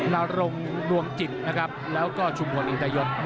นรงดวงจิตนะครับแล้วก็ชุมพลอินตยศ